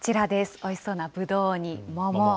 おいしそうなぶどうに桃。